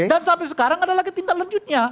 dan sampai sekarang ada lagi tindak lanjutnya